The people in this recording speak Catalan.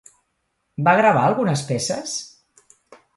Va gravar algunes peces?